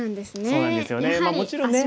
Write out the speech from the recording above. そうなんですよねもちろんね。